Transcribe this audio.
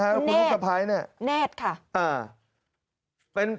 คุณลูกสะพายนี่แน่นแน่นค่ะ